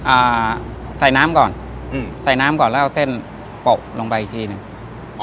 อ่าใส่น้ำก่อนอืมใส่น้ำก่อนแล้วเอาเส้นโปะลงไปอีกทีหนึ่งอ๋อ